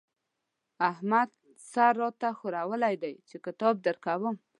احمد سر را ته ښورولی دی چې کتاب درکوم.